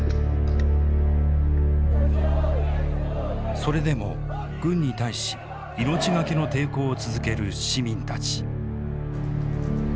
それでも軍に対し命懸けの抵抗を続ける市民たち。